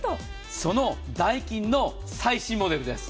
そのダイキンの最新モデルです。